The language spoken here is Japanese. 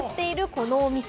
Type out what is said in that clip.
このお店、